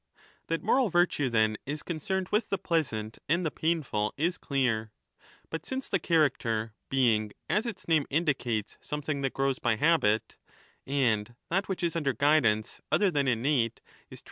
That moral virtue, then, is concerned with the pleasant 2 and the painful is clear. But since the character, being as 1220^ its name indicates something that grows by habit ^— and that which is under guidance other than innate^ is trained to 26 34= E.